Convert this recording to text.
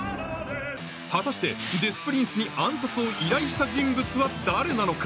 果たしてデス・プリンスに暗殺を依頼した人物は誰なのか？